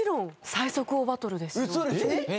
最速王バトルです。